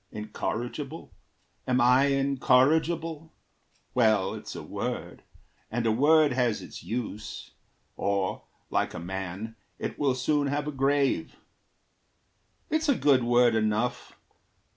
Incorrigible? Am I incorrigible? Well, it's a word; and a word has its use, Or, like a man, it will soon have a grave. It's a good word enough.